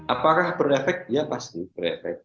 apakah berefek dia pasti berefek